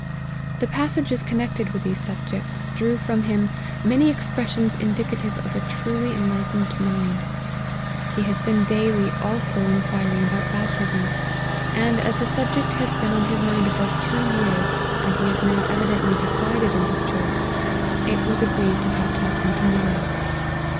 The passages connected with these subjects, drew from him many expressions indicative of a truly enlightened mind. He has been daily also inquir ing about baptism ; and as the subject has been on his mind above two years, and he is now evidently decided in his choice, it was agreed to baptize him to morrow.